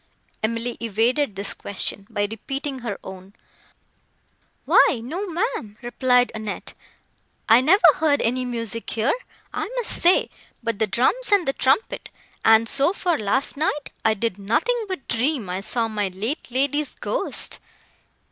Emily evaded this question, by repeating her own. "Why, no, ma'am," replied Annette; "I never heard any music here, I must say, but the drums and the trumpet; and, as for last night, I did nothing but dream I saw my late lady's ghost."